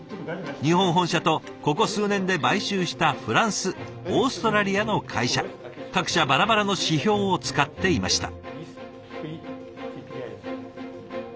日本本社とここ数年で買収したフランスオーストラリアの会社各社バラバラの指標を使っていました。